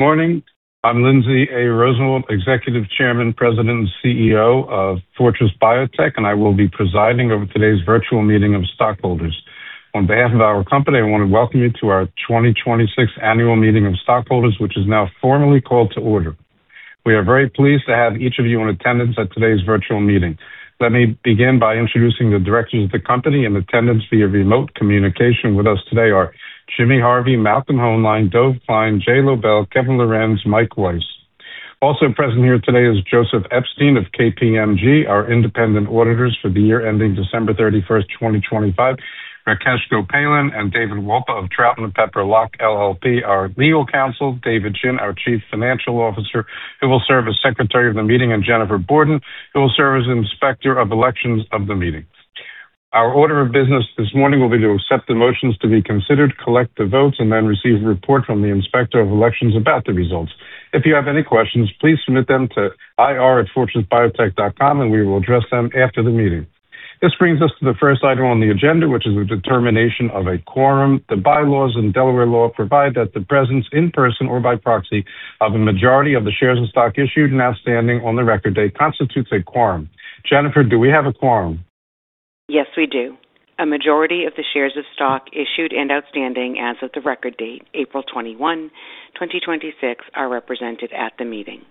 Morning. I'm Lindsay A. Rosenwald, Executive Chairman, President, and CEO of Fortress Biotech, and I will be presiding over today's virtual meeting of stockholders. On behalf of our company, I want to welcome you to our 2026 annual meeting of stockholders, which is now formally called to order. We are very pleased to have each of you in attendance at today's virtual meeting. Let me begin by introducing the directors of the company in attendance via remote communication with us today are Jimmie Harvey, Malcolm Hoenlein, Dov Klein, Jay Lobell, Kevin Lorenz, Mike Weiss. Also present here today is Joseph Epstein of KPMG, our independent auditors for the year ending December 31st, 2025, Rakesh Gopalan and David Wolpa of Troutman Pepper Locke LLP, our legal counsel, David Jin, our Chief Financial Officer, who will serve as Secretary of the meeting, and Jennifer Borden, who will serve as Inspector of Elections of the meeting. Our order of business this morning will be to accept the motions to be considered, collect the votes, and then receive a report from the Inspector of Elections about the results. If you have any questions, please submit them to ir@fortressbiotech.com and we will address them after the meeting. This brings us to the first item on the agenda, which is a determination of a quorum. The bylaws and Delaware law provide that the presence in person or by proxy of a majority of the shares of stock issued and outstanding on the record date constitutes a quorum. Jennifer, do we have a quorum? Yes, we do. A majority of the shares of stock issued and outstanding as of the record date, April 21, 2026, are represented at the meeting.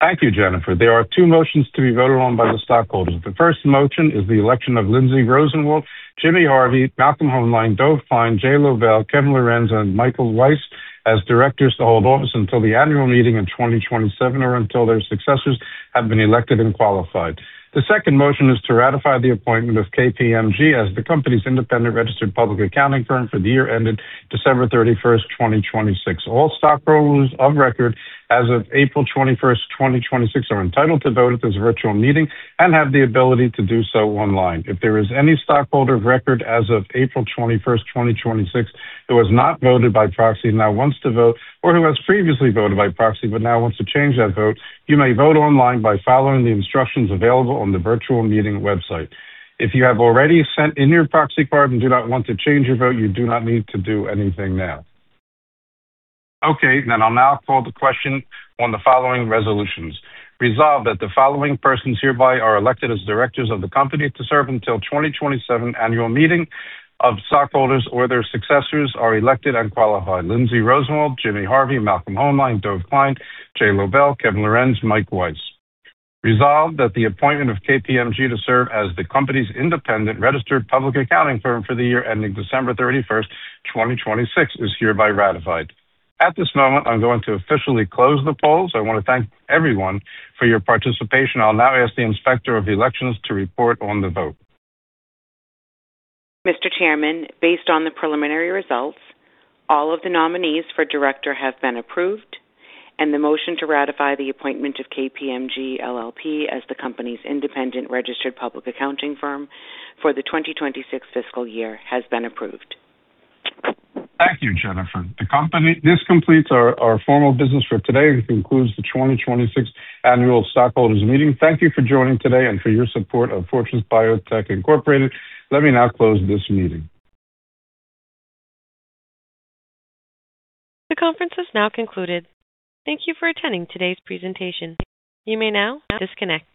Thank you, Jennifer. There are two motions to be voted on by the stockholders. The first motion is the election of Lindsay Rosenwald, Jimmie Harvey, Malcolm Hoenlein, Dov Klein, Jay Lobell, Kevin Lorenz, and Michael Weiss as directors to hold office until the annual meeting in 2027 or until their successors have been elected and qualified. The second motion is to ratify the appointment of KPMG as the company's independent registered public accounting firm for the year ended December 31st, 2026. All stockholders of record as of April 21st, 2026, are entitled to vote at this virtual meeting and have the ability to do so online. If there is any stockholder of record as of April 21st, 2026, who has not voted by proxy and now wants to vote, or who has previously voted by proxy but now wants to change that vote, you may vote online by following the instructions available on the virtual meeting website. If you have already sent in your proxy card and do not want to change your vote, you do not need to do anything now. I'll now call the question on the following resolutions. Resolved that the following persons hereby are elected as directors of the company to serve until 2027 annual meeting of stockholders or their successors are elected and qualified, Lindsay Rosenwald, Jimmie Harvey, Malcolm Hoenlein, Dov Klein, Jay Lobell, Kevin Lorenz, Mike Weiss. Resolved that the appointment of KPMG to serve as the company's independent registered public accounting firm for the year ending December 31st, 2026, is hereby ratified. At this moment, I'm going to officially close the polls. I want to thank everyone for your participation. I'll now ask the Inspector of Elections to report on the vote. Mr. Chairman, based on the preliminary results, all of the nominees for director have been approved. The motion to ratify the appointment of KPMG LLP as the company's independent registered public accounting firm for the 2026 fiscal year has been approved. Thank you, Jennifer. This completes our formal business for today. This concludes the 2026 annual stockholders meeting. Thank you for joining today and for your support of Fortress Biotech Incorporated. Let me now close this meeting. The conference has now concluded. Thank you for attending today's presentation. You may now disconnect.